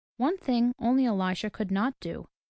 One thing only Elisha could not do.